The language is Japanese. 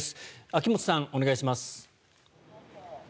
秋本さん、お願いします。